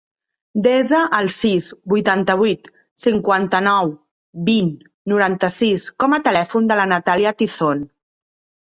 Desa el sis, vuitanta-vuit, cinquanta-nou, vint, noranta-sis com a telèfon de la Natàlia Tizon.